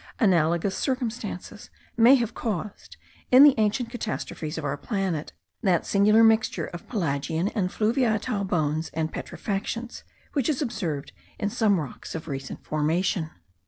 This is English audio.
Analogous circumstances may have caused, in the ancient catastrophes of our planet, that singular mixture of pelagian and fluviatile bones and petrifactions, which is observed in some rocks of recent formation.